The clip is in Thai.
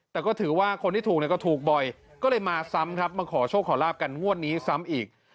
แต่ก็ถือว่าคนที่ถูกเนี่ยก็ถูกบ่อยก็เลยมาซ้ำครับมาขอโชคขอลาบกันงวดนี้ซ้ำอีก